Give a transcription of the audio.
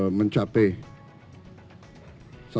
untuk mencapai sasaran sasaran